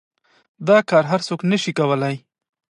دا كار هر سوك نشي كولاى.